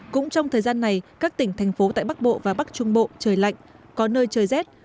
cũng trong thời gian này các tỉnh thành phố tại bắc bộ và bắc trung bộ trời lạnh có nơi trời rét